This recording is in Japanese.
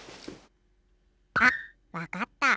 あっわかった。